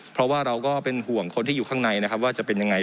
เพราะว่าเราก็เป็นห่วงคนที่อยู่ข้างในนะครับว่าจะเป็นยังไง